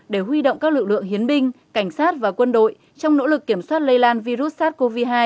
để huy động các lực lượng hiến binh cảnh sát và quân đội trong nỗ lực kiểm soát lây lan virus sars cov hai